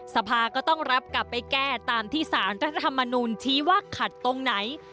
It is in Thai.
สภาก็ต้องรับกลับไปแก้ตามที่สารรัฐธรรมนูลชี้ว่าขัดตรงไหน